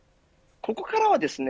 ここからはですね